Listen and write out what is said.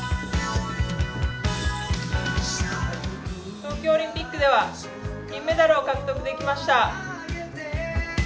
東京オリンピックでは銀メダルを獲得できました。